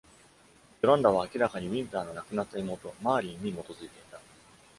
ヨランダは明らかにウィンターの亡くなった妹マーリーンに基づいていた。